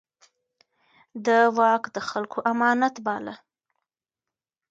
ده واک د خلکو امانت باله.